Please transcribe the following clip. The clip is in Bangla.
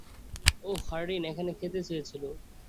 ওহ, হার্ডিন এখানে খেতে চেয়েছিল।